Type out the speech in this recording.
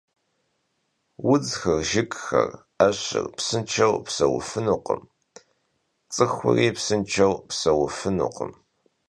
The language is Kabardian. Vudzxer, jjıgxer, 'eşır psınşşeu pseufınukhım, ts'ıxuri psınşşeu pseufınukhım.